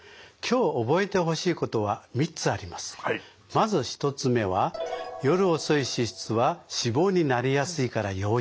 まず１つ目は夜遅い脂質は脂肪になりやすいから要注意ですね。